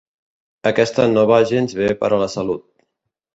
Aquesta no va gens bé per a la salut.